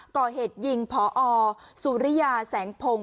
ก่อเหตุยิงพอสุริยาแสงพงศ